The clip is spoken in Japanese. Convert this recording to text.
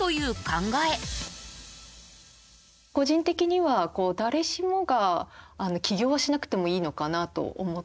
個人的には誰しもが起業しなくてもいいのかなと思ってます。